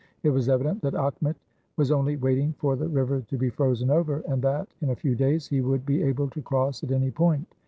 It was evident that Akhmet was only waiting for the river to be frozen over, and that, in a few days, he would be able to cross at any point.